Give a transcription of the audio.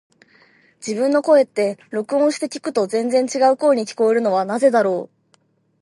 自分の声って、録音して聞くと全然違う声に聞こえるのはなぜだろう。